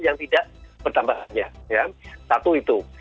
yang tidak bertambahannya ya satu itu